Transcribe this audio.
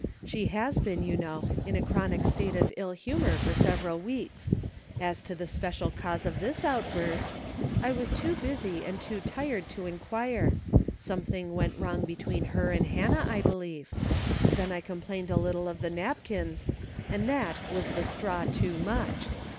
She has been, you know, in a chronic state of ill humor for several weeks ; as to the special cause of this outburst, I was too busy, and too tired to inquire ; something went wrong between her and Hannah, I believe ; then I complained a little of the napkins, and that was the ' straw ' too much.